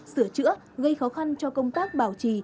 sửa chữa gây khó khăn cho công tác bảo trì